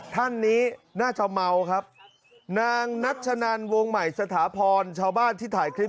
ท่านนี้น่าจะเมาครับนางนัชนันวงใหม่สถาพรชาวบ้านที่ถ่ายคลิป